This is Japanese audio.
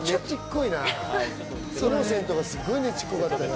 イノセントがすっごいねちっこかった。